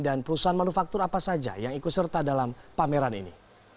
perusahaan manufaktur apa saja yang ikut serta dalam pameran ini